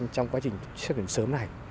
trong quá trình xét tuyển sớm này